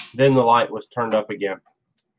Then the light was turned up again.